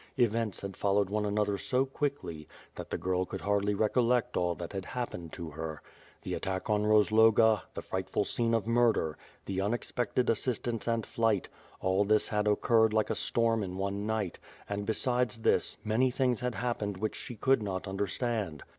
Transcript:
Events had followed one another so quickly, that the girl could hardly recollect all that had hap pened to her. The attack on Rozloga; the frightful scene of murder; the unexpected assistance and flight; all this had oc curred like a storm in one night and, besides this, many things had happened which she could not understand.